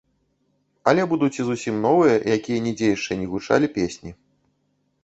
Але будуць і зусім новыя, якія нідзе яшчэ не гучалі песні.